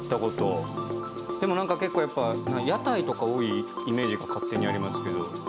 でも何か結構屋台とか多いイメージが勝手にありますけど。